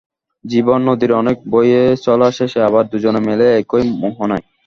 জীবন নদীর অনেক বয়ে চলা শেষে আবার দুজনে মেলে একই মোহনায়।